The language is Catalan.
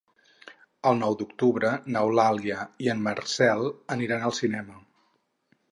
El nou d'octubre n'Eulàlia i en Marcel aniran al cinema.